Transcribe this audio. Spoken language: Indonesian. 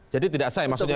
jadi tidak asal ya